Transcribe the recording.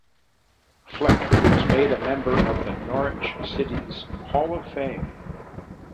Fleck was made a member of Norwich City's Hall of Fame.